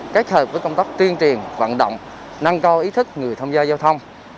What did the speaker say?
kết hợp với công tác tuyên truyền vận động năng cao ý thức người thông gia giao thông